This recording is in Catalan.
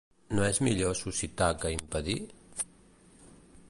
¿No és millor suscitar que impedir.